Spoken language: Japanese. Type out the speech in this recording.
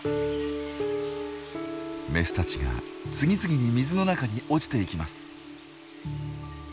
メスたちが次々に水の中に落ちていきます。